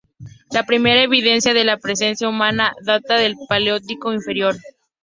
La primera evidencia de la presencia humana data del Paleolítico Inferior.